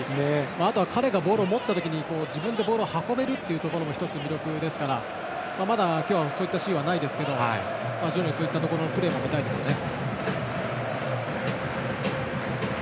あとは彼がボールを持った時に自分でボールを運べるのも１つの魅力ですからまだ、今日はそういったシーンはないですが徐々にそういったプレーが見たいですね。